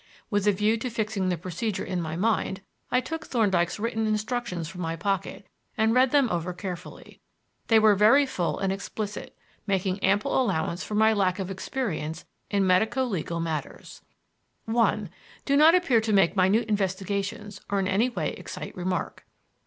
With a view to fixing the procedure in my mind, I took Thorndyke's written instructions from my pocket and read them over carefully. They were very full and explicit, making ample allowance for my lack of experience in medico legal matters: "1. Do not appear to make minute investigations or in any way excite remark.